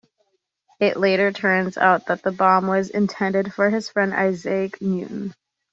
It later turns out that the bomb was intended for his friend Isaac Newton.